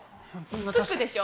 付くでしょ？